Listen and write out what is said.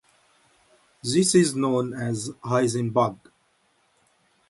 This is known as a Heisenbug.